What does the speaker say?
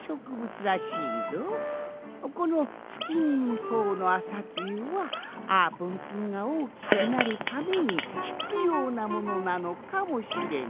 このツキミミそうのあさつゆはあーぷんくんがおおきくなるためにひつようなものなのかもしれんのう。